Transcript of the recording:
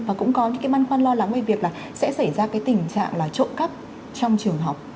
và cũng có những cái băn khoăn lo lắng về việc là sẽ xảy ra cái tình trạng là trộm cắp trong trường học